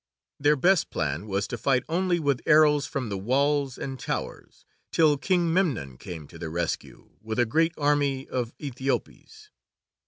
Their best plan was to fight only with arrows from the walls and towers, till King Memnon came to their rescue with a great army of Aethiopes.